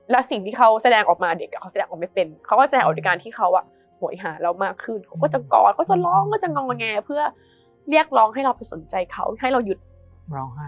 แล้วสิ่งที่เขาแสดงออกมาเด็กเขาแสดงออกไม่เป็นเขาก็แสดงออกโดยการที่เขาโหยหาเรามากขึ้นเขาก็จะกอดเขาจะร้องก็จะงอแงเพื่อเรียกร้องให้เราไปสนใจเขาให้เราหยุดร้องไห้